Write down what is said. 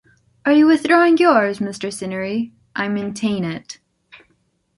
Are you withdrawing yours, Mr. Cinieri? I maintain it.